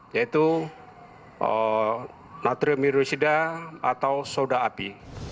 yaitu natrium irosida atau soda api